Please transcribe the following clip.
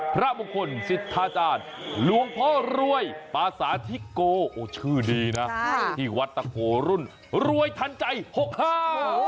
พระมงคลสิทธาจารย์หลวงพ่อรวยปาสาธิโกโอ้ชื่อดีนะที่วัดตะโพรุ่นรวยทันใจหกห้า